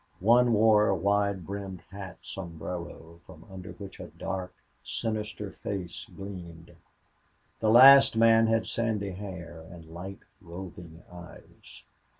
One wore a wide brimmed black sombrero from under which a dark, sinister face gleamed. The last man had sandy hair and light roving eyes.